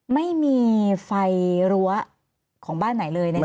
มันเป็นไฟรั้วของบ้านไหนเลยในซอยนั้น